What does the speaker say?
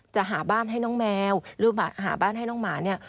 จะหาบ้านให้น้องแมวหรือหาบ้านให้น้องหมาเนี่ย